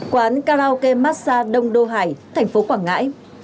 quán karaoke massa đông đô hải tp quảng ngãi